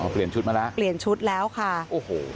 เปลี่ยนชุดมาแล้วเปลี่ยนชุดแล้วค่ะโอ้โห